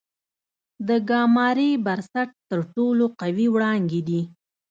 د ګاما رې برسټ تر ټولو قوي وړانګې دي.